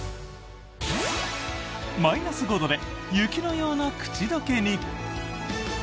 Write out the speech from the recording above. マイナス５度で雪のようなくちどけに！